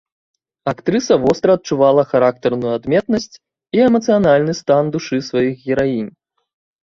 Актрыса востра адчувала характарную адметнасць і эмацыянальны стан душы сваіх гераінь.